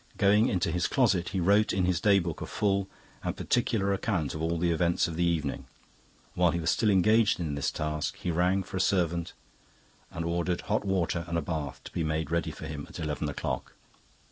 Going into his closet he wrote in his day book a full and particular account of all the events of the evening. While he was still engaged in this task he rang for a servant and ordered hot water and a bath to be made ready for him at eleven o'clock.